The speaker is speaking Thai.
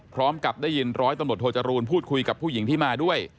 พร้อมกับได้ยินร้อยตำรวจโทจรูลพูดคุยกับผู้หญิงที่มาด้วย